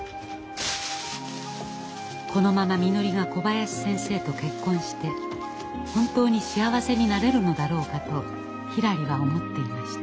このままみのりが小林先生と結婚して本当に幸せになれるのだろうかとひらりは思っていました。